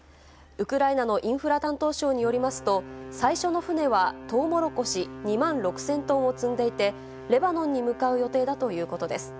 ウクライナのインフラ担当相によりますと、最初の船はトウモロコシ２万６０００トンを積んでいて、レバノンに向かう予定だということです。